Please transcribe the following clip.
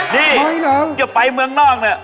ดีอย่าไปเมืองนอก